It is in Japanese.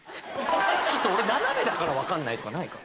ちょっと俺斜めだからわかんないとかないか。